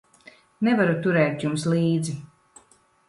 Nevaru turēt jums līdzi.